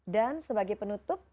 dan sebagai penutup